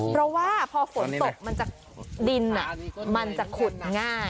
เพราะว่าพอฝนตกมันจะดินมันจะขุดง่าย